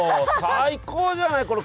最高じゃない。